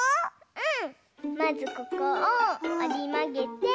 うん？